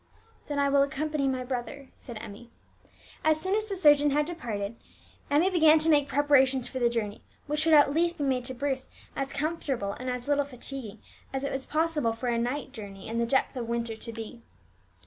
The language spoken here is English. "Then I will accompany my brother," said Emmie. As soon as the surgeon had departed, Emmie began to make preparations for the journey, which should at least be made to Bruce as comfortable and as little fatiguing as it was possible for a night journey in the depth of winter to be.